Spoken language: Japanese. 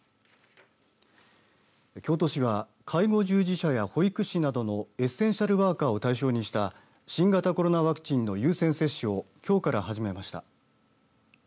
京都市は介護従事者や保育士などのエッセンシャルワーカーを対象にした新型コロナワクチンの優先接種をきょうから始めました。